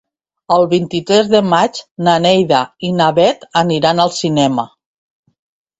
El vint-i-tres de maig na Neida i na Bet aniran al cinema.